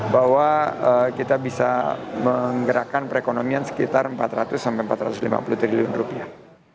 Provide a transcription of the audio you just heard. bahwa kita bisa menggerakkan perekonomian sekitar empat ratus sampai empat ratus lima puluh triliun rupiah